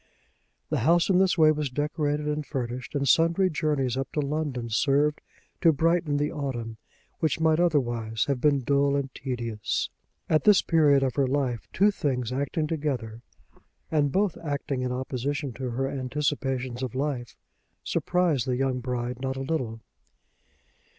The house in this way was decorated and furnished, and sundry journeys up to London served to brighten the autumn which might otherwise have been dull and tedious. At this period of her life two things acting together, and both acting in opposition to her anticipations of life, surprised the young bride not a little.